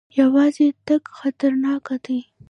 یوازې تګ خطرناک دی.